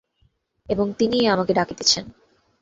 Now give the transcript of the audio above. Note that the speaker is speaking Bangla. এবং তিনিই আমাকে ডাকিতেছেন।